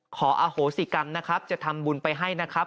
ขออโหสิกัลนะจะทำบุญไปให้นะ